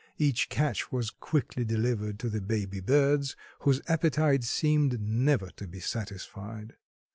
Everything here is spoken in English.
Each catch was quickly delivered to the baby birds, whose appetite seemed never to be satisfied.